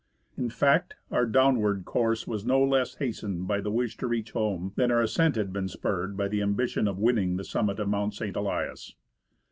In fact, our downward course was no less hastened by the wish to reach home than our ascent had been spurred by the ambition of win ning the summit of Mount St. Elias.